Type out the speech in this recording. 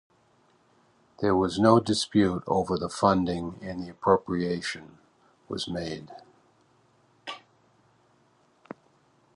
There was no dispute over the funding, and the appropriation was made.